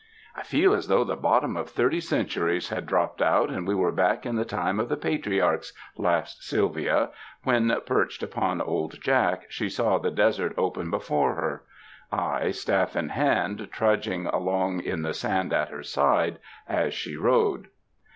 ''I feel as though the bottom of thirty centuries had dropped out and we were back in the time of the patriarchs," laughed Sylvia when, perched upon old Jack, she saw the desert open before her ; I, staff in hand, trudging along in the sand at her side as she rode.